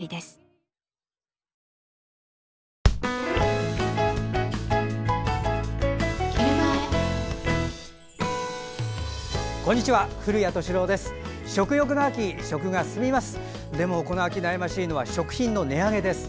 でも、この秋悩ましいのは食品の値上げです。